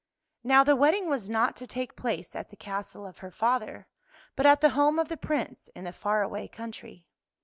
Now the wedding was not to take place at the castle of her father, but at the home of the Prince in the far away country.